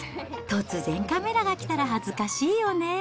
突然カメラが来たら、恥ずかしいよね。